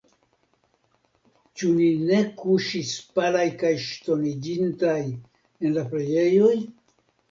Ĉu ni ne kuŝis palaj kaj ŝtoniĝintaj en la preĝejoj ?